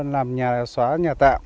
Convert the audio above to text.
làm nhà xóa nhà tạm